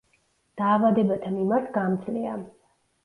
დაავადებათა მიმართ გამძლეა.